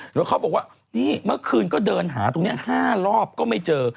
แล้วเขาบอกว่านี่เมื่อคืนก็เดินหาตรงนี้๕รอบก็ไม่เจอ